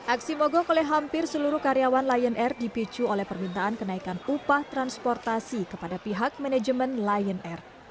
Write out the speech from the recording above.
aksi mogok oleh hampir seluruh karyawan lion air dipicu oleh permintaan kenaikan upah transportasi kepada pihak manajemen lion air